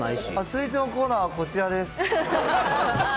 続いてのコーナーはこちらです。